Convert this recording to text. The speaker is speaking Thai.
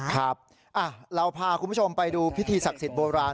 ครับเราพาคุณผู้ชมไปดูพิธีศักดิ์สิทธิโบราณ